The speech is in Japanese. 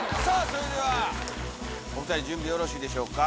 それではお二人準備よろしいでしょうか